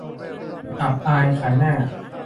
ความอับอายขายหน้า